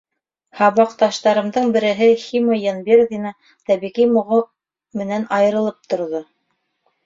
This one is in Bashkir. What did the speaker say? Һабаҡташтарымдың береһе — Хима Йәнбирҙина — тәбиғи моңо менән айырылып торҙо.